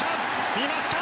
見ました。